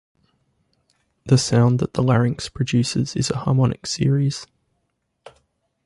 The sound that the larynx produces is a harmonic series.